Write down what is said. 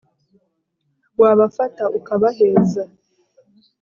wabafata ukabaheza